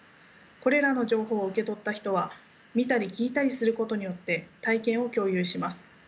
これらの情報を受け取った人は見たり聞いたりすることによって体験を共有します。